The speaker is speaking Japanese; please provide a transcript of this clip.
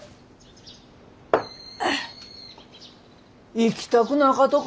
行きたくなかとか。